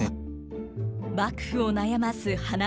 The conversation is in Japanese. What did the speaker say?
幕府を悩ます花見問題。